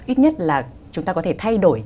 ít nhất là chúng ta có thể thay đổi